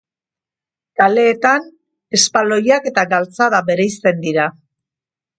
Kaleetan, espaloiak eta galtzada bereizten dira.